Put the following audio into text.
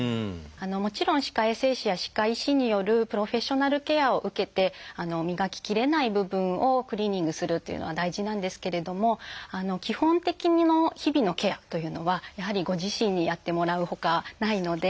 もちろん歯科衛生士や歯科医師によるプロフェッショナルケアを受けて磨ききれない部分をクリーニングするというのは大事なんですけれども基本的な日々のケアというのはやはりご自身にやってもらうほかないので。